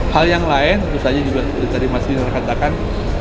hal yang lain tentu saja juga tadi mas dinor katakan